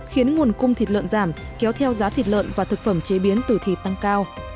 khiến nguồn cung thịt lợn giảm kéo theo giá thịt lợn và thực phẩm chế biến từ thịt tăng cao